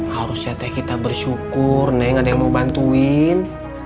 harusnya teh kita bersyukur neng ada yang mau bantuin